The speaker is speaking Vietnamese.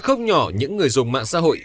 khốc nhỏ những người dùng mạng xã hội